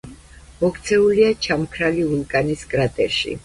მოქცეულია ჩამქრალი ვულკანის კრატერში.